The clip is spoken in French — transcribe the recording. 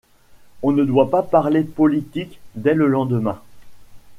On ne doit pas parler politique dès le lendemain.